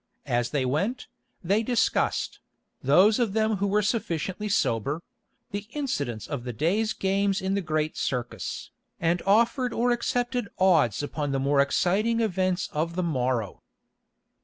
As they went, they discussed—those of them who were sufficiently sober—the incidents of that day's games in the great circus, and offered or accepted odds upon the more exciting events of the morrow.